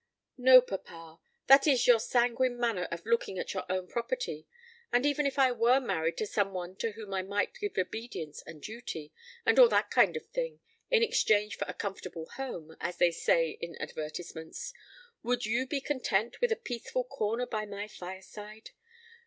"No, papa; that is your sanguine manner of looking at your own property. And even if I were married to some one to whom I might give obedience and duty, and all that kind of thing, in exchange for a comfortable home, as they say in the advertisements, would you be content with a peaceful corner by my fireside?